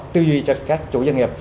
tư duy cho các chủ doanh nghiệp